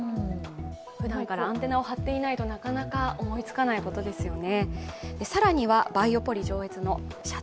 ふだんからアンテナを張っていないと、思いつかないことですよね。